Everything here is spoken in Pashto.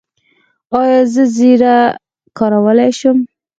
ایا زه زیره کارولی شم؟